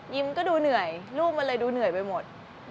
มันก็ดูเหนื่อยลูกมันเลยดูเหนื่อยไปหมด